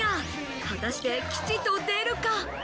果たして吉と出るか？